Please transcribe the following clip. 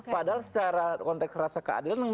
padahal secara konteks rasa keadilan